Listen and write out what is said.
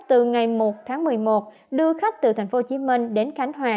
từ ngày một tháng một mươi một đưa khách từ tp hcm đến khánh hòa